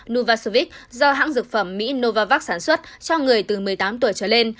novasovic do hãng dược phẩm mỹ novavax sản xuất cho người từ một mươi tám tuổi trở lên